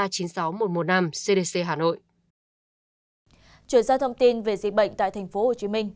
chuyển sang thông tin về dịch bệnh tại tp hcm